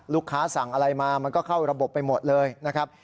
สั่งอะไรมามันก็เข้าระบบไปหมดเลยนะครับ